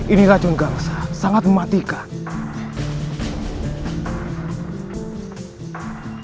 ini racun bangsa sangat mematikan